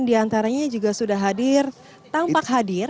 enam diantaranya juga sudah hadir tampak hadir